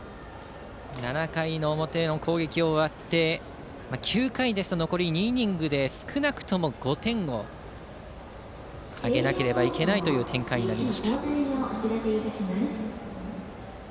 ７回の表の攻撃が終わって９回ですと残り２イニングで少なくとも５点を挙げなければいけない展開になりました。